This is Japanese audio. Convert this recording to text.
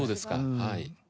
はい。